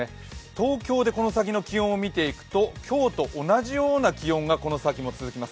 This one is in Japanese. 東京でこの先の気温を見ていくと今日と同じような気温がこの先も続きます。